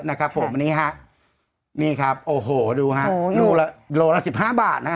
นี่ครับโอ้โหดูฮะโลละ๑๕บาทนะฮะ